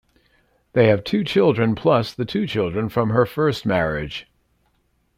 They have two children plus the two children from her first marriage.